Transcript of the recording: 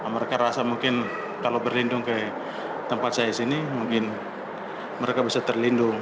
mereka rasa mungkin kalau berlindung ke tempat saya sini mungkin mereka bisa terlindung